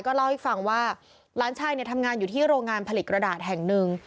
เล่าให้ฟังว่าหลานชายทำงานอยู่ที่โรงงานผลิตกระดาษแห่งหนึ่ง